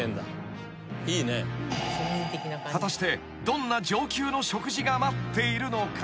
［果たしてどんな上級の食事が待っているのか？］